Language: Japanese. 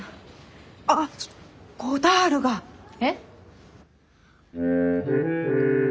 あっゴダールが。えっ？